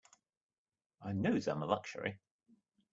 I knows I'm a luxury.